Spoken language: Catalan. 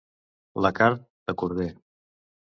La carn, de corder.